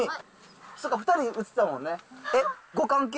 そうか、２人映ってたもんね。